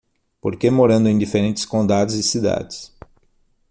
Porque morando em diferentes condados e cidades